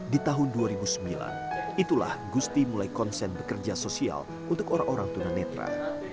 di tahun dua ribu sembilan itulah gusti mulai konsen bekerja sosial untuk orang orang tunanetra